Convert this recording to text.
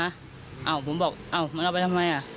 อ้าวผมบอกอ้าวมันเอาไปทำไมอ่ะ